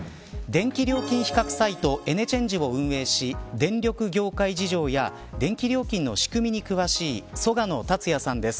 電気料金比較サイトエネチェンジを運営し電力業界事情や電気料金の仕組みに詳しい曽我野達也さんです。